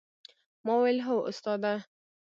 ما وويل هو استاده!